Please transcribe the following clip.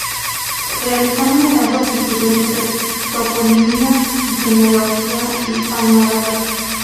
Realizó numerosos estudios sobre toponimia y genealogía hispanoárabe.